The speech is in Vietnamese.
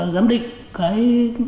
giám định cái